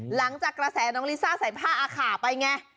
หลังจากกระแสน้องลิซ่าใส่ผ้าอาขาไปไง